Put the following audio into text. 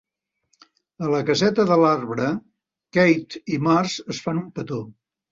A la caseta de l'arbre, Kate i Mars es fan un petó.